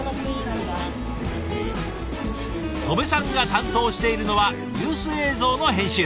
戸部さんが担当しているのはニュース映像の編集。